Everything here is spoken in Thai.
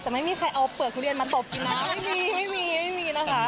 แต่ไม่มีใครเอาเปลือกทุเรียนมาตบกินนะไม่มีไม่มีนะคะ